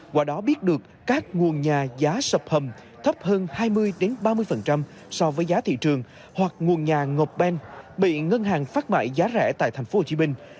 qua đó biết được các nguồn nhà giá sập hầm thấp hơn hai mươi ba mươi so với giá thị trường hoặc nguồn nhà ngộp bên bị ngân hàng phát mại giá rẻ tại thành phố hồ chí minh